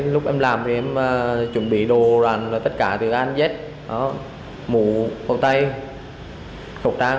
lúc em làm thì em chuẩn bị đồ đàn và tất cả từ an dết mũ hộp tay hộp trang